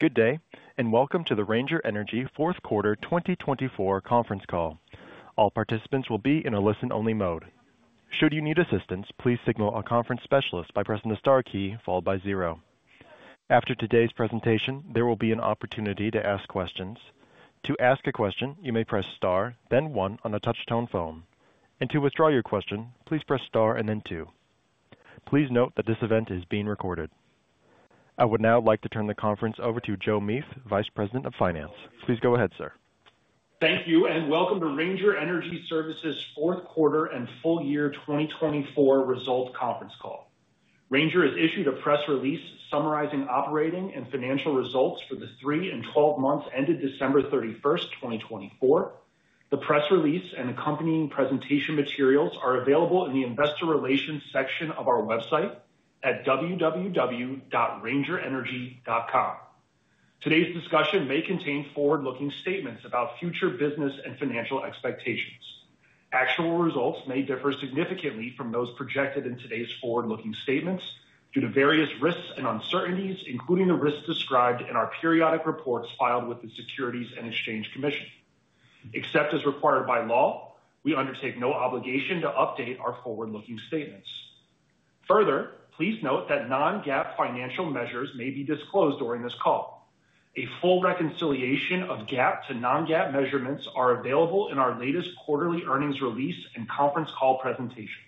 Good day, and welcome to the Ranger Energy Fourth Quarter 2024 conference call. All participants will be in a listen-only mode. Should you need assistance, please signal a conference specialist by pressing the star key followed by zero. After today's presentation, there will be an opportunity to ask questions. To ask a question, you may press star, then one on a touch-tone phone. To withdraw your question, please press star and then two. Please note that this event is being recorded. I would now like to turn the conference over to Joe Meath, Vice President of Finance. Please go ahead, sir. Thank you, and welcome to Ranger Energy Services Fourth Quarter and Full Year 2024 Result Conference Call. Ranger has issued a press release summarizing operating and financial results for the three and twelve months ended December 31, 2024. The press release and accompanying presentation materials are available in the Investor Relations section of our website at www.rangerenergy.com. Today's discussion may contain forward-looking statements about future business and financial expectations. Actual results may differ significantly from those projected in today's forward-looking statements due to various risks and uncertainties, including the risks described in our periodic reports filed with the U.S. Securities and Exchange Commission. Except as required by law, we undertake no obligation to update our forward-looking statements. Further, please note that non-GAAP financial measures may be disclosed during this call. A full reconciliation of GAAP to non-GAAP measurements is available in our latest quarterly earnings release and conference call presentation.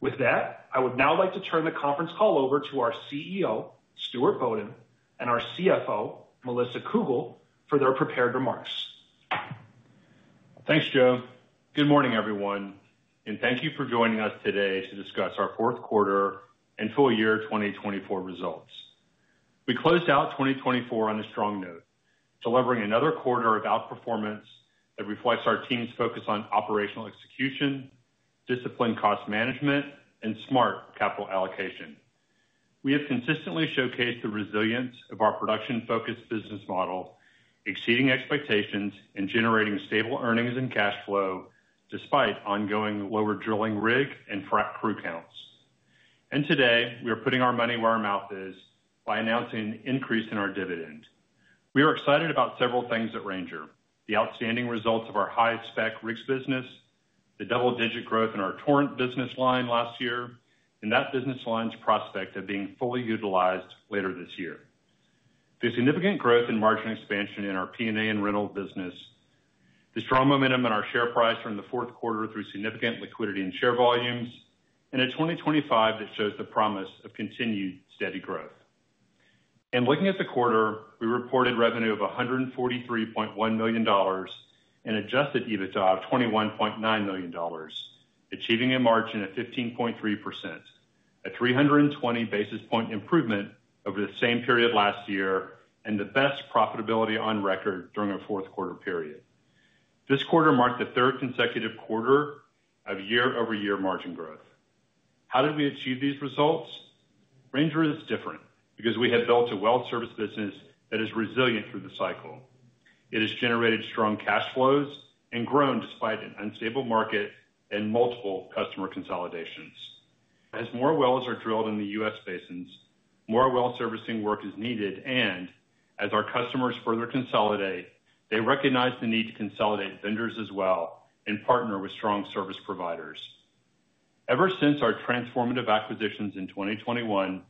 With that, I would now like to turn the conference call over to our CEO, Stuart Bodden, and our CFO, Melissa Cougle, for their prepared remarks. Thanks, Joe. Good morning, everyone, and thank you for joining us today to discuss our fourth quarter and full year 2024 results. We closed out 2024 on a strong note, delivering another quarter of outperformance that reflects our team's focus on operational execution, disciplined cost management, and smart capital allocation. We have consistently showcased the resilience of our production-focused business model, exceeding expectations and generating stable earnings and cash flow despite ongoing lower drilling rig and frack crew counts. Today, we are putting our money where our mouth is by announcing an increase in our dividend. We are excited about several things at Ranger: the outstanding results of our high-spec rigs business, the double-digit growth in our Torrent business line last year, and that business line's prospect of being fully utilized later this year. The significant growth in margin expansion in our P&A and rental business, the strong momentum in our share price from the fourth quarter through significant liquidity and share volumes, and a 2025 that shows the promise of continued steady growth. In looking at the quarter, we reported revenue of $143.1 million and adjusted EBITDA of $21.9 million, achieving a margin of 15.3%, a 320 basis point improvement over the same period last year, and the best profitability on record during our fourth quarter period. This quarter marked the third consecutive quarter of year-over-year margin growth. How did we achieve these results? Ranger is different because we have built a well service business that is resilient through the cycle. It has generated strong cash flows and grown despite an unstable market and multiple customer consolidations. As more wells are drilled in the U.S. Basins, more well servicing work is needed, and as our customers further consolidate, they recognize the need to consolidate vendors as well and partner with strong service providers. Ever since our transformative acquisitions in 2021,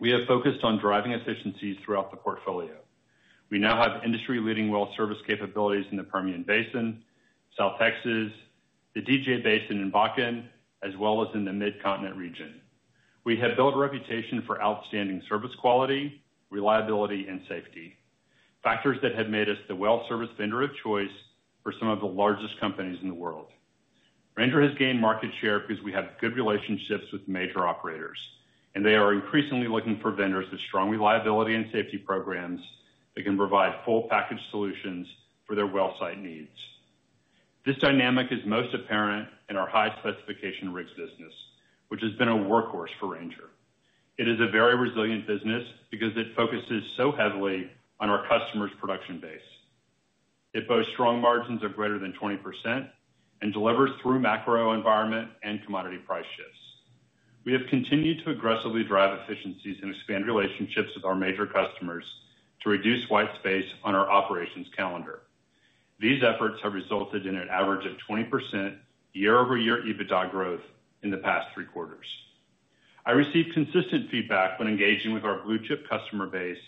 we have focused on driving efficiencies throughout the portfolio. We now have industry-leading well service capabilities in the Permian Basin, South Texas, the DJ Basin in Bakken, as well as in the Mid-Continent region. We have built a reputation for outstanding service quality, reliability, and safety, factors that have made us the well service vendor of choice for some of the largest companies in the world. Ranger has gained market share because we have good relationships with major operators, and they are increasingly looking for vendors with strong reliability and safety programs that can provide full-package solutions for their well site needs. This dynamic is most apparent in our high-specification rigs business, which has been a workhorse for Ranger. It is a very resilient business because it focuses so heavily on our customers' production base. It boasts strong margins of greater than 20% and delivers through macro environment and commodity price shifts. We have continued to aggressively drive efficiencies and expand relationships with our major customers to reduce white space on our operations calendar. These efforts have resulted in an average of 20% year-over-year EBITDA growth in the past three quarters. I received consistent feedback when engaging with our blue-chip customer base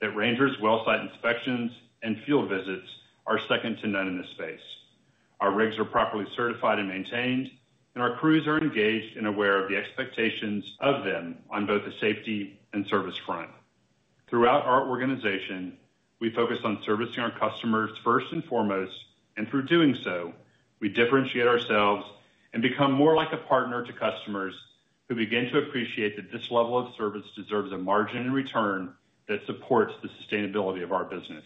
that Ranger's well site inspections and field visits are second to none in this space. Our rigs are properly certified and maintained, and our crews are engaged and aware of the expectations of them on both the safety and service front. Throughout our organization, we focus on servicing our customers first and foremost, and through doing so, we differentiate ourselves and become more like a partner to customers who begin to appreciate that this level of service deserves a margin and return that supports the sustainability of our business.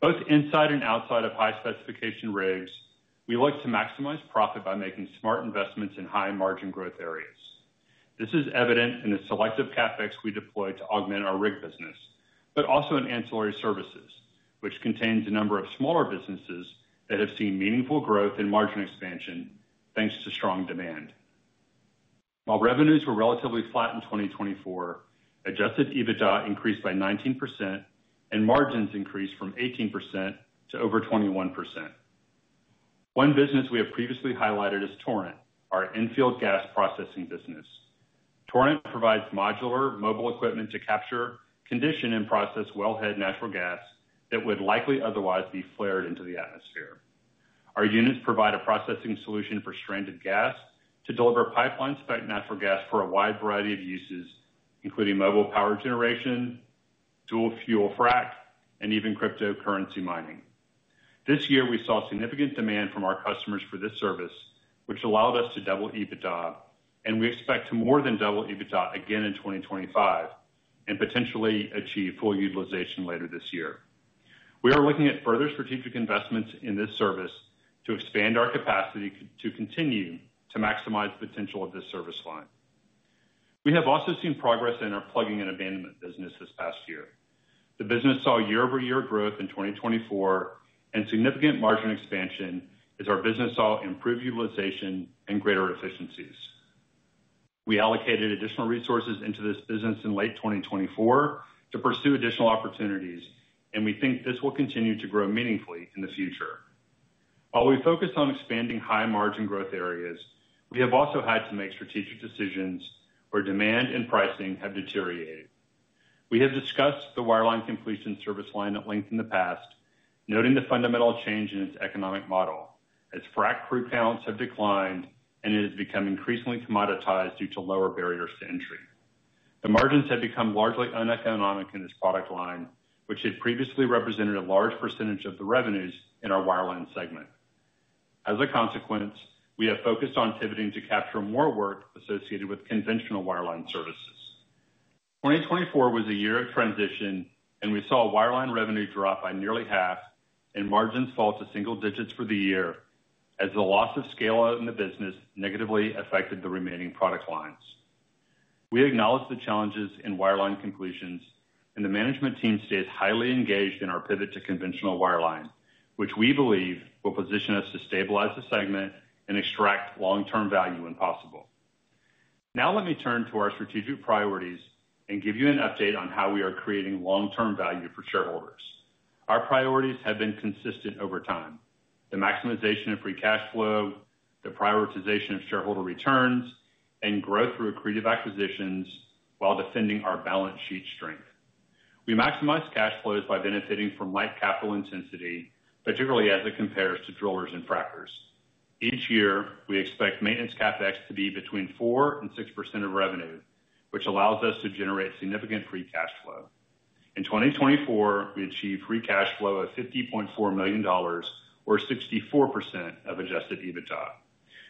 Both inside and outside of high-specification rigs, we look to maximize profit by making smart investments in high-margin growth areas. This is evident in the selective CapEx we deploy to augment our rig business, but also in Ancillary Services, which contains a number of smaller businesses that have seen meaningful growth in margin expansion thanks to strong demand. While revenues were relatively flat in 2024, adjusted EBITDA increased by 19%, and margins increased from 18% to over 21%. One business we have previously highlighted is Torrent, our infield gas processing business. Torrent provides modular, mobile equipment to capture, condition, and process wellhead natural gas that would likely otherwise be flared into the atmosphere. Our units provide a processing solution for stranded gas to deliver pipeline-spec natural gas for a wide variety of uses, including mobile power generation, dual-fuel frack, and even cryptocurrency mining. This year, we saw significant demand from our customers for this service, which allowed us to double EBITDA, and we expect to more than double EBITDA again in 2025 and potentially achieve full utilization later this year. We are looking at further strategic investments in this service to expand our capacity to continue to maximize the potential of this service line. We have also seen progress in our plugging and abandonment business this past year. The business saw year-over-year growth in 2024, and significant margin expansion as our business saw improved utilization and greater efficiencies. We allocated additional resources into this business in late 2024 to pursue additional opportunities, and we think this will continue to grow meaningfully in the future. While we focus on expanding high-margin growth areas, we have also had to make strategic decisions where demand and pricing have deteriorated. We have discussed the wireline completion service line at length in the past, noting the fundamental change in its economic model as frack crew counts have declined and it has become increasingly commoditized due to lower barriers to entry. The margins have become largely uneconomic in this product line, which had previously represented a large percentage of the revenues in our wireline segment. As a consequence, we have focused on pivoting to capture more work associated with conventional wireline services. 2024 was a year of transition, and we saw wireline revenue drop by nearly half and margins fall to single digits for the year as the loss of scale in the business negatively affected the remaining product lines. We acknowledge the challenges in wireline completions, and the management team stays highly engaged in our pivot to conventional wireline, which we believe will position us to stabilize the segment and extract long-term value when possible. Now let me turn to our strategic priorities and give you an update on how we are creating long-term value for shareholders. Our priorities have been consistent over time: the maximization of free cash flow, the prioritization of shareholder returns, and growth through accretive acquisitions while defending our balance sheet strength. We maximize cash flows by benefiting from light capital intensity, particularly as it compares to drillers and frackers. Each year, we expect maintenance CapEx to be between 4% and 6% of revenue, which allows us to generate significant free cash flow. In 2024, we achieved free cash flow of $50.4 million, or 64% of adjusted EBITDA.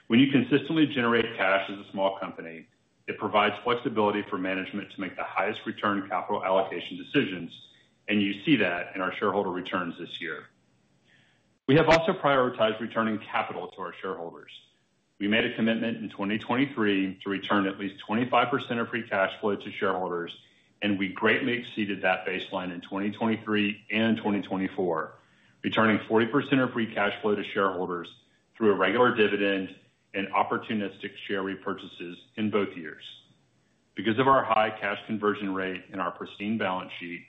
When you consistently generate cash as a small company, it provides flexibility for management to make the highest return capital allocation decisions, and you see that in our shareholder returns this year. We have also prioritized returning capital to our shareholders. We made a commitment in 2023 to return at least 25% of free cash flow to shareholders, and we greatly exceeded that baseline in 2023 and 2024, returning 40% of free cash flow to shareholders through a regular dividend and opportunistic share repurchases in both years. Because of our high cash conversion rate and our pristine balance sheet,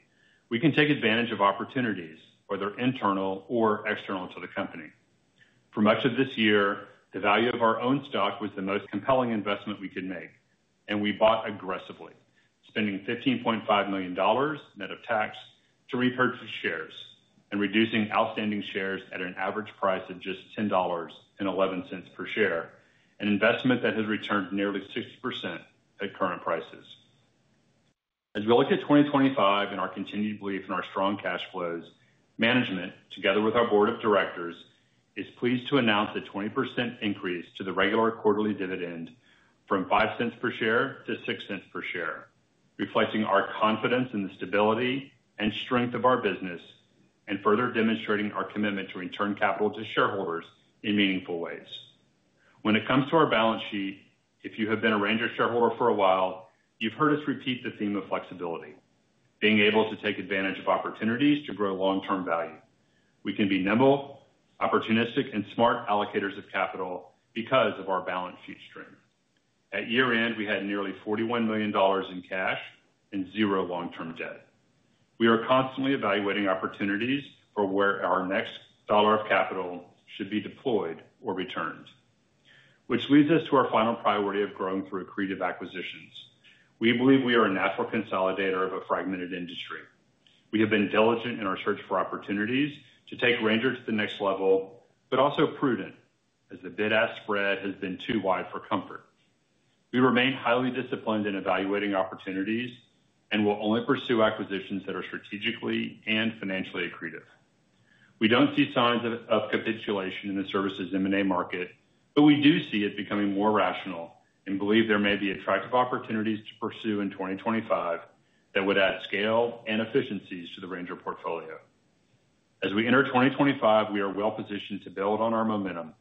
we can take advantage of opportunities, whether internal or external to the company. For much of this year, the value of our own stock was the most compelling investment we could make, and we bought aggressively, spending $15.5 million net of tax to repurchase shares and reducing outstanding shares at an average price of just $10.11 per share, an investment that has returned nearly 60% at current prices. As we look at 2025 and our continued belief in our strong cash flows, management, together with our board of directors, is pleased to announce a 20% increase to the regular quarterly dividend from $0.05 per share to $0.06 per share, reflecting our confidence in the stability and strength of our business and further demonstrating our commitment to return capital to shareholders in meaningful ways. When it comes to our balance sheet, if you have been a Ranger shareholder for a while, you've heard us repeat the theme of flexibility: being able to take advantage of opportunities to grow long-term value. We can be nimble, opportunistic, and smart allocators of capital because of our balance sheet strength. At year-end, we had nearly $41 million in cash and zero long-term debt. We are constantly evaluating opportunities for where our next dollar of capital should be deployed or returned, which leads us to our final priority of growing through accretive acquisitions. We believe we are a natural consolidator of a fragmented industry. We have been diligent in our search for opportunities to take Ranger to the next level, but also prudent as the bid-ask spread has been too wide for comfort. We remain highly disciplined in evaluating opportunities and will only pursue acquisitions that are strategically and financially accretive. We do not see signs of capitulation in the services M&A market, but we do see it becoming more rational and believe there may be attractive opportunities to pursue in 2025 that would add scale and efficiencies to the Ranger portfolio. As we enter 2025, we are well-positioned to build on our momentum,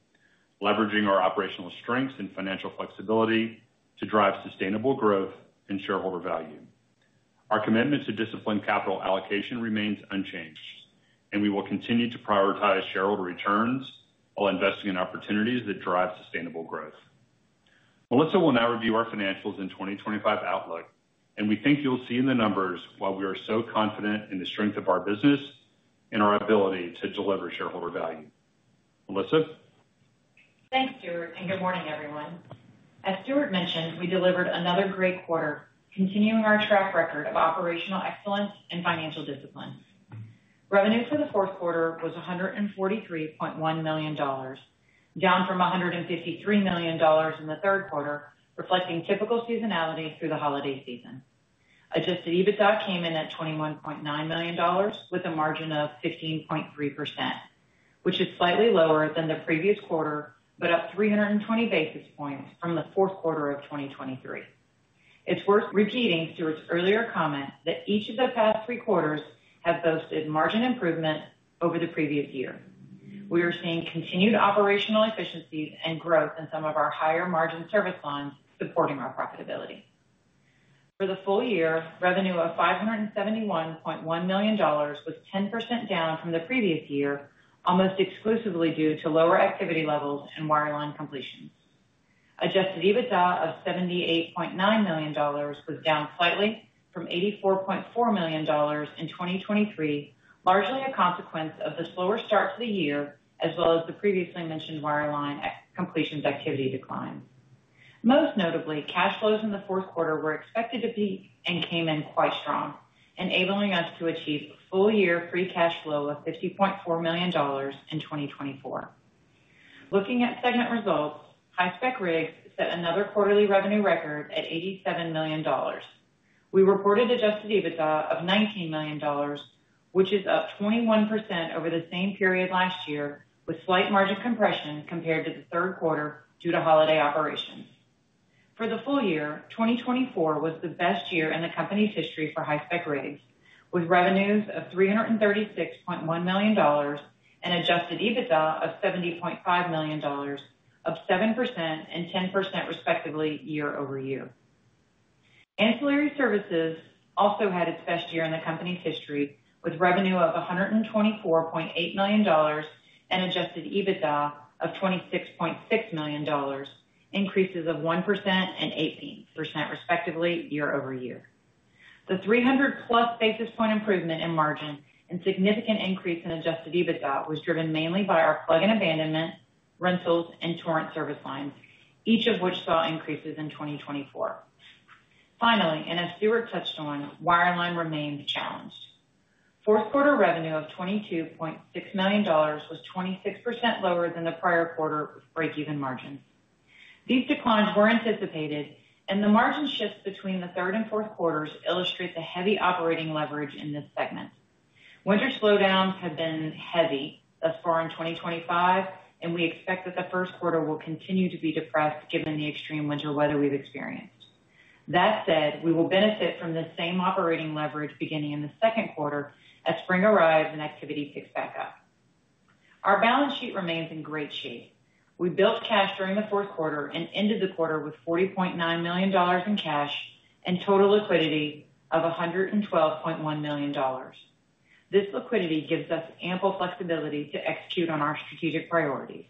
leveraging our operational strengths and financial flexibility to drive sustainable growth and shareholder value. Our commitment to disciplined capital allocation remains unchanged, and we will continue to prioritize shareholder returns while investing in opportunities that drive sustainable growth. Melissa will now review our financials and 2025 outlook, and we think you will see in the numbers why we are so confident in the strength of our business and our ability to deliver shareholder value. Melissa? Thanks, Stuart, and good morning, everyone. As Stuart mentioned, we delivered another great quarter, continuing our track record of operational excellence and financial discipline. Revenue for the fourth quarter was $143.1 million, down from $153 million in the third quarter, reflecting typical seasonality through the holiday season. Adjusted EBITDA came in at $21.9 million with a margin of 15.3%, which is slightly lower than the previous quarter but up 320 basis points from the fourth quarter of 2023. It's worth repeating Stuart's earlier comment that each of the past three quarters have boasted margin improvement over the previous year. We are seeing continued operational efficiencies and growth in some of our higher-margin service lines supporting our profitability. For the full year, revenue of $571.1 million was 10% down from the previous year, almost exclusively due to lower activity levels and wireline completions. Adjusted EBITDA of $78.9 million was down slightly from $84.4 million in 2023, largely a consequence of the slower start to the year as well as the previously mentioned wireline completions activity decline. Most notably, cash flows in the fourth quarter were expected to peak and came in quite strong, enabling us to achieve a full-year free cash flow of $50.4 million in 2024. Looking at segment results, high-spec rigs set another quarterly revenue record at $87 million. We reported adjusted EBITDA of $19 million, which is up 21% over the same period last year, with slight margin compression compared to the third quarter due to holiday operations. For the full year, 2024 was the best year in the company's history for high-spec rigs, with revenues of $336.1 million and adjusted EBITDA of $70.5 million, up 7% and 10% respectively year over year. Ancillary Services also had its best year in the company's history with revenue of $124.8 million and adjusted EBITDA of $26.6 million, increases of 1% and 18% respectively year over year. The 300-plus basis point improvement in margin and significant increase in adjusted EBITDA was driven mainly by our Plug and Abandonment, rentals, and Torrent service lines, each of which saw increases in 2024. Finally, and as Stuart touched on, Wireline remained challenged. Fourth quarter revenue of $22.6 million was 26% lower than the prior quarter with break-even margins. These declines were anticipated, and the margin shifts between the third and fourth quarters illustrate the heavy operating leverage in this segment. Winter slowdowns have been heavy thus far in 2025, and we expect that the first quarter will continue to be depressed given the extreme winter weather we've experienced. That said, we will benefit from the same operating leverage beginning in the second quarter as spring arrives and activity picks back up. Our balance sheet remains in great shape. We built cash during the fourth quarter and ended the quarter with $40.9 million in cash and total liquidity of $112.1 million. This liquidity gives us ample flexibility to execute on our strategic priorities.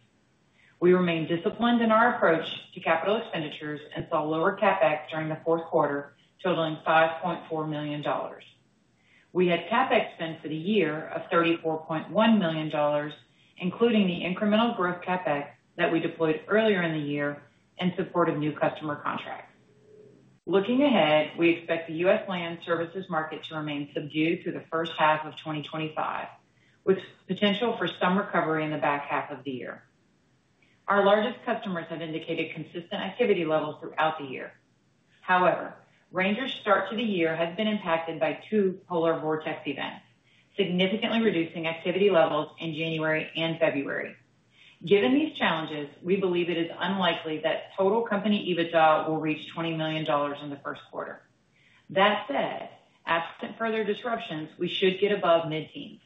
We remain disciplined in our approach to capital expenditures and saw lower CapEx during the fourth quarter, totaling $5.4 million. We had CapEx spend for the year of $34.1 million, including the incremental growth CapEx that we deployed earlier in the year in support of new customer contracts. Looking ahead, we expect the U.S. land services market to remain subdued through the first half of 2025, with potential for some recovery in the back half of the year. Our largest customers have indicated consistent activity levels throughout the year. However, Ranger's start to the year has been impacted by two polar vortex events, significantly reducing activity levels in January and February. Given these challenges, we believe it is unlikely that total company EBITDA will reach $20 million in the first quarter. That said, absent further disruptions, we should get above mid-teens.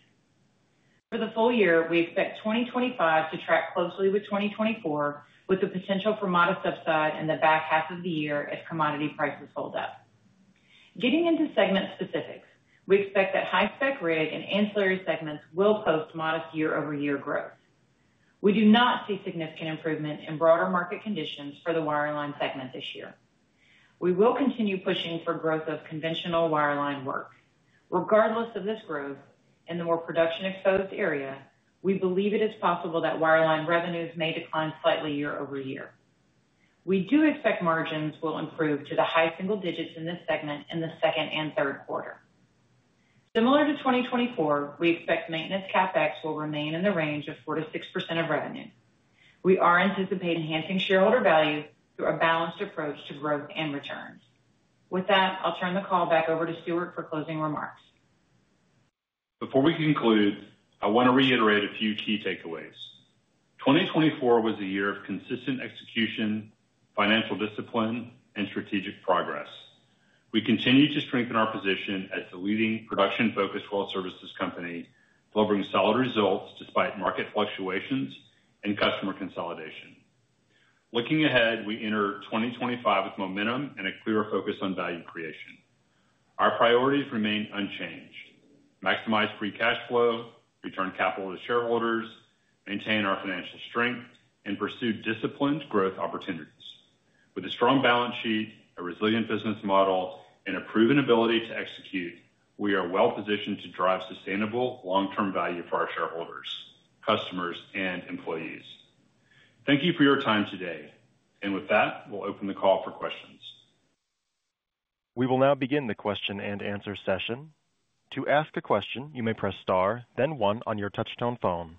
For the full year, we expect 2025 to track closely with 2024, with the potential for modest upside in the back half of the year if commodity prices hold up. Getting into segment specifics, we expect that high-spec rig and ancillary segments will post modest year-over-year growth. We do not see significant improvement in broader market conditions for the wireline segment this year. We will continue pushing for growth of conventional wireline work. Regardless of this growth and the more production-exposed area, we believe it is possible that wireline revenues may decline slightly year over year. We do expect margins will improve to the high single digits in this segment in the second and third quarter. Similar to 2024, we expect maintenance CapEx will remain in the range of 4%-6% of revenue. We are anticipating enhancing shareholder value through a balanced approach to growth and returns. With that, I'll turn the call back over to Stuart for closing remarks. Before we conclude, I want to reiterate a few key takeaways. 2024 was a year of consistent execution, financial discipline, and strategic progress. We continue to strengthen our position as the leading production-focused well services company, delivering solid results despite market fluctuations and customer consolidation. Looking ahead, we enter 2025 with momentum and a clear focus on value creation. Our priorities remain unchanged: maximize free cash flow, return capital to shareholders, maintain our financial strength, and pursue disciplined growth opportunities. With a strong balance sheet, a resilient business model, and a proven ability to execute, we are well-positioned to drive sustainable long-term value for our shareholders, customers, and employees. Thank you for your time today. With that, we'll open the call for questions. We will now begin the question and answer session. To ask a question, you may press star, then one on your touch-tone phone.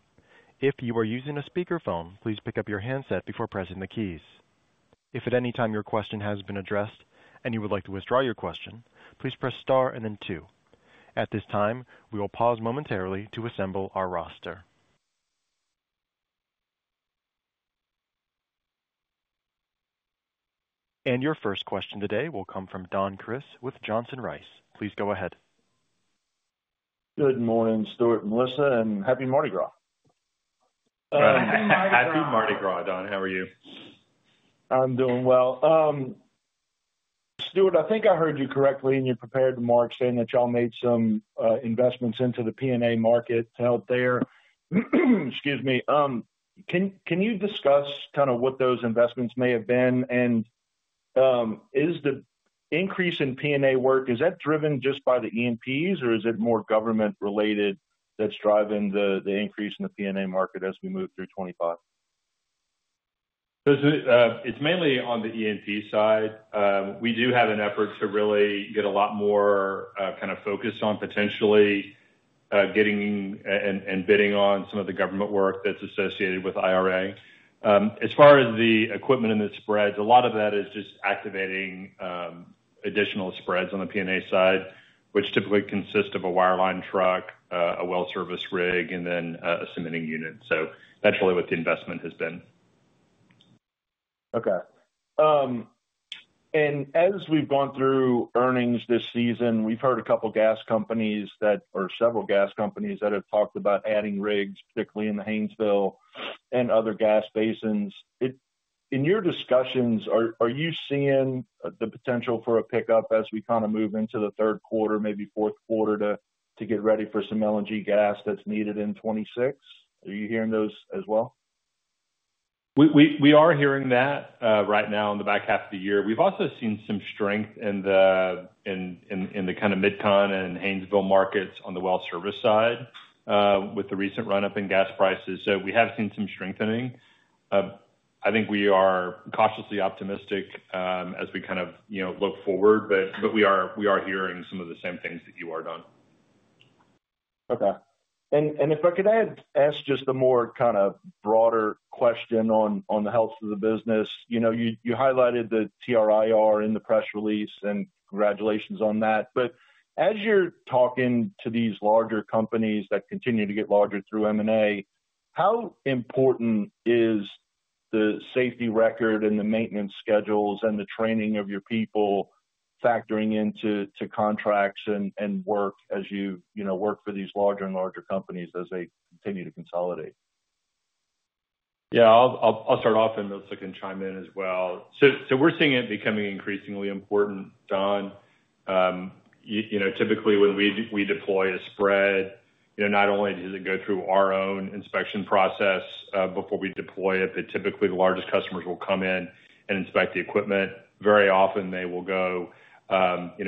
If you are using a speakerphone, please pick up your handset before pressing the keys. If at any time your question has been addressed and you would like to withdraw your question, please press star and then two. At this time, we will pause momentarily to assemble our roster. Your first question today will come from Don Crist with Johnson Rice. Please go ahead. Good morning, Stuart, Melissa, and happy Mardi Gras. Happy Mardi Gras, Don. How are you? I'm doing well. Stuart, I think I heard you correctly and you prepared the marks saying that y'all made some investments into the P&A market to help there. Excuse me. Can you discuss kind of what those investments may have been? Is the increase in P&A work, is that driven just by the E&Ps, or is it more government-related that's driving the increase in the P&A market as we move through 2025? It's mainly on the E&P side. We do have an effort to really get a lot more kind of focus on potentially getting and bidding on some of the government work that's associated with IRA. As far as the equipment and the spreads, a lot of that is just activating additional spreads on the P&A side, which typically consist of a wireline truck, a well-service rig, and then a cementing unit. That is really what the investment has been. Okay. As we have gone through earnings this season, we have heard a couple of gas companies that, or several gas companies that have talked about adding rigs, particularly in the Haynesville and other gas basins. In your discussions, are you seeing the potential for a pickup as we kind of move into the third quarter, maybe fourth quarter, to get ready for some LNG gas that is needed in 2026? Are you hearing those as well? We are hearing that right now in the back half of the year. We've also seen some strength in the kind of Mid-Continent and Haynesville markets on the well-service side with the recent run-up in gas prices. We have seen some strengthening. I think we are cautiously optimistic as we kind of look forward, but we are hearing some of the same things that you are, Don. Okay. If I could add, ask just a more kind of broader question on the health of the business. You highlighted the TRIR in the press release, and congratulations on that. As you're talking to these larger companies that continue to get larger through M&A, how important is the safety record and the maintenance schedules and the training of your people factoring into contracts and work as you work for these larger and larger companies as they continue to consolidate? Yeah, I'll start off, and Melissa can chime in as well. We're seeing it becoming increasingly important, Don. Typically, when we deploy a spread, not only does it go through our own inspection process before we deploy it, but typically the largest customers will come in and inspect the equipment. Very often they will go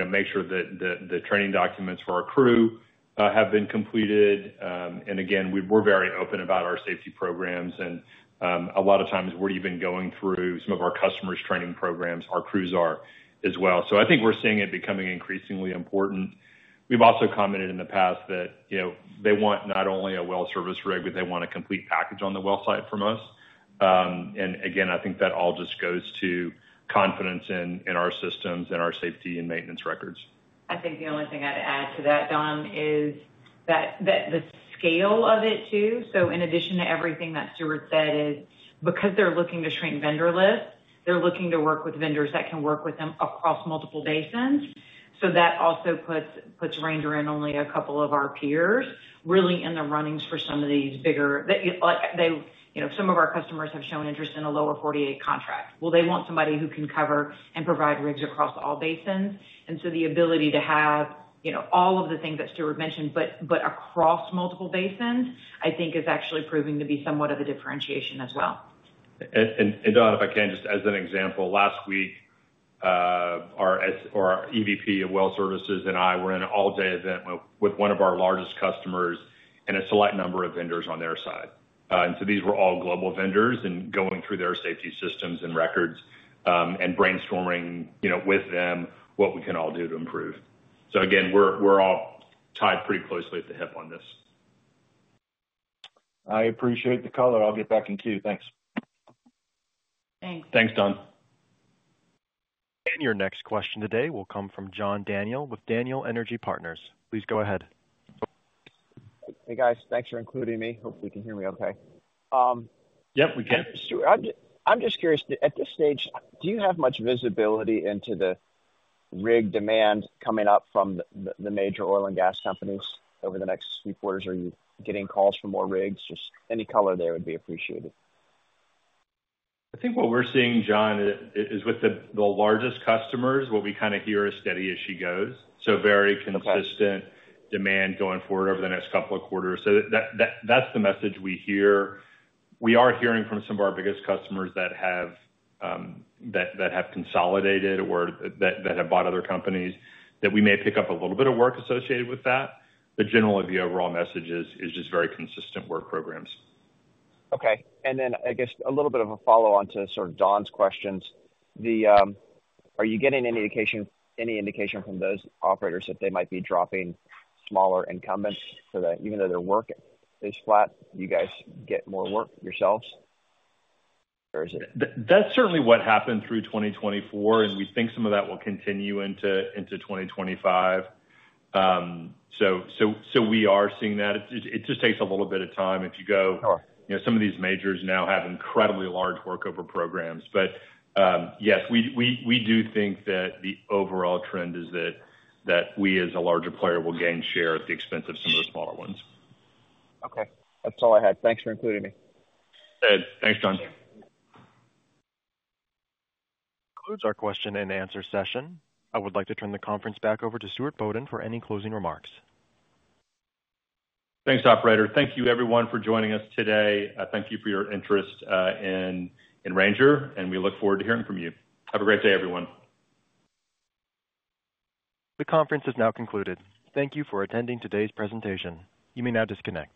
make sure that the training documents for our crew have been completed. Again, we're very open about our safety programs. A lot of times we're even going through some of our customers' training programs, our crews are as well. I think we're seeing it becoming increasingly important. We've also commented in the past that they want not only a well-service rig, but they want a complete package on the well site from us. Again, I think that all just goes to confidence in our systems and our safety and maintenance records. I think the only thing I'd add to that, Don, is that the scale of it too. In addition to everything that Stuart said is because they're looking to shrink vendor lists, they're looking to work with vendors that can work with them across multiple basins. That also puts Ranger and only a couple of our peers really in the runnings for some of these bigger, some of our customers have shown interest in a Lower 48 contract. They want somebody who can cover and provide rigs across all basins. The ability to have all of the things that Stuart mentioned, but across multiple basins, I think is actually proving to be somewhat of a differentiation as well. Don, if I can, just as an example, last week, our EVP, Wells Services, and I were in an all-day event with one of our largest customers and a select number of vendors on their side. These were all global vendors and going through their safety systems and records and brainstorming with them what we can all do to improve. Again, we're all tied pretty closely at the hip on this. I appreciate the color. I'll get back in queue. Thanks. Thanks. Thanks, Don. Your next question today will come from John Daniel with Daniel Energy Partners. Please go ahead. Hey, guys. Thanks for including me. Hope you can hear me okay. Yep, we can. I'm just curious, at this stage, do you have much visibility into the rig demand coming up from the major oil and gas companies over the next few quarters? Are you getting calls for more rigs? Just any color there would be appreciated. I think what we're seeing, John, is with the largest customers, what we kind of hear is steady as she goes. Very consistent demand going forward over the next couple of quarters. That is the message we hear. We are hearing from some of our biggest customers that have consolidated or that have bought other companies that we may pick up a little bit of work associated with that. Generally, the overall message is just very consistent work programs. Okay. I guess a little bit of a follow-on to sort of Don's questions. Are you getting any indication from those operators that they might be dropping smaller incumbents so that even though their work is flat, you guys get more work yourselves? Or is it? That's certainly what happened through 2024, and we think some of that will continue into 2025. We are seeing that. It just takes a little bit of time if you go. Some of these majors now have incredibly large workover programs. Yes, we do think that the overall trend is that we, as a larger player, will gain share at the expense of some of the smaller ones. Okay. That's all I had. Thanks for including me. Thanks, Don. Concludes our question and answer session. I would like to turn the conference back over to Stuart Bodden for any closing remarks. Thanks, Operator. Thank you, everyone, for joining us today. Thank you for your interest in Ranger, and we look forward to hearing from you. Have a great day, everyone. The conference is now concluded. Thank you for attending today's presentation. You may now disconnect.